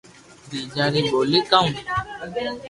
ٻآجا ري ٻولي ڪاو